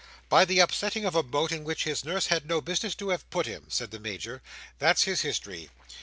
"By the upsetting of a boat in which his nurse had no business to have put him," said the Major. "That's his history.